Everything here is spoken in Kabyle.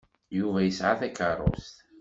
Yuba yesɛa takeṛṛust.